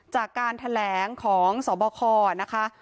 จากการแถลงของสบคนะคะ